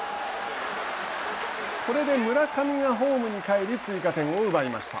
これで村上がホームに帰り追加点を奪いました。